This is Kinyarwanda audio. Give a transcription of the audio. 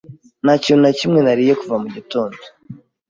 Nta kintu na kimwe nariye kuva mu gitondo.